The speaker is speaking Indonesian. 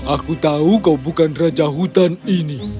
aku tahu kau bukan raja hutan ini